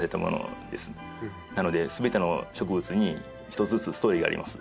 なのですべての植物に一つずつストーリーがあります。